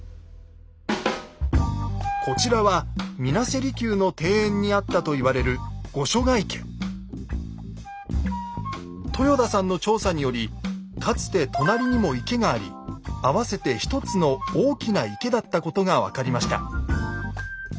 こちらは水無瀬離宮の庭園にあったと言われる豊田さんの調査によりかつて隣にも池があり合わせて１つの大きな池だったことが分かりました。